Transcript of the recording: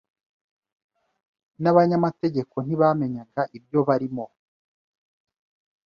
N’abanyamategeko ntibamenyaga ibyo barimo